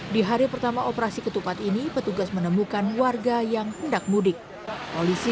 di hari pertama operasi ketupat ini petugas menemukan warga yang hendak mudik polisi